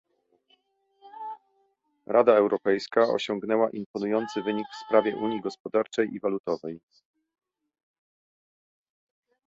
Rada Europejska osiągnęła imponujący wynik w sprawie Unii Gospodarczej i Walutowej